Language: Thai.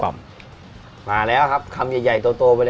มาแล้วครับคำใหญ่โตไปเลย